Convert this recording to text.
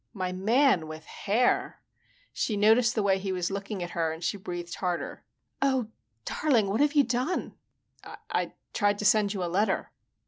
My man with hair." She noticed the way he was looking at her and she breathed harder. "Oh, darling, what have you done?" "I tried to send you a letter."